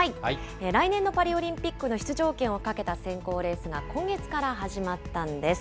来年のパリオリンピックの出場権をかけた選考レースが今月から始まったんです。